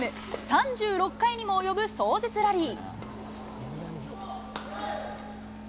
３６回にも及ぶ壮絶ラリー。